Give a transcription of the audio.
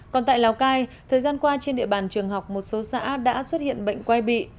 còn tại lào cai thời gian qua trên địa bàn trường học một số xã đã xuất hiện bệnh quay bị